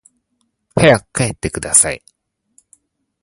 早く帰ってください